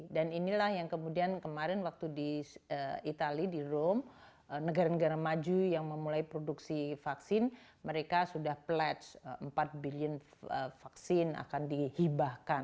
dan inilah yang kemudian kemarin waktu di itali di rome negara negara maju yang memulai produksi vaksin mereka sudah pledge empat billion vaksin akan dihibahkan